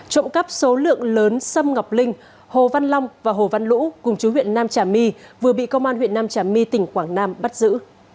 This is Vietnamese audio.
trộm cắp số lượng lớn sâm ngọc linh hồ văn long và hồ văn lũ cùng chú huyện nam trà my vừa bị công an huyện nam trà my tỉnh quảng nam bắt giữ